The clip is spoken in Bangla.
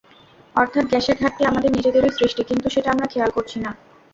অর্থাৎ গ্যাসের ঘাটতি আমাদের নিজেদেরই সৃষ্টি, কিন্তু সেটা আমরা খেয়াল করছি না।